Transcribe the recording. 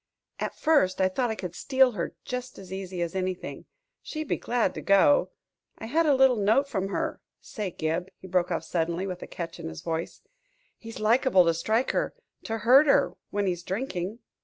"At first I thought I could steal her just as easy as anything. She'd be glad to go; I had a little note from her Say, Gib," he broke off suddenly, with a catch in his voice, "he's liable to strike her to hurt her when he's drinking."